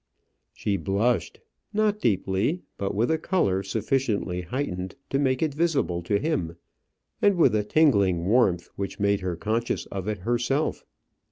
She blushed, not deeply, but with a colour sufficiently heightened to make it visible to him, and with a tingling warmth which made her conscious of it herself.